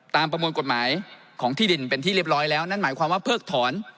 ประมวลกฎหมายของที่ดินเป็นที่เรียบร้อยแล้วนั่นหมายความว่าเพิกถอน